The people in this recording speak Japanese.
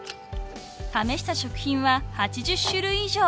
［試した食品は８０種類以上］